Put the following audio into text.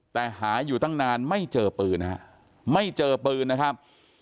แต่หาอยู่ตั้งนานไม่เจอปืนฮะไม่เจอปืนนะครับ